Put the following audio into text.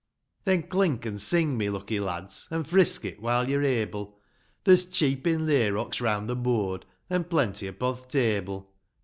Then clink and sing, my lucky lads, An' frisk it while yo'r able ; There's cheepin' layrocks' round the board. An' plenty upo' th' table.